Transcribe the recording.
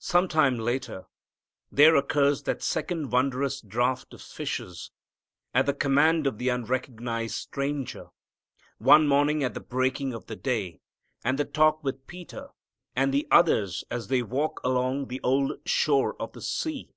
Some time later, there occurs that second wondrous draught of fishes, at the command of the unrecognized Stranger, one morning at the breaking of the day, and the talk with Peter and the others as they walk along the old shore of the sea.